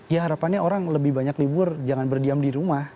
ya harapannya orang lebih banyak libur jangan berdiam di rumah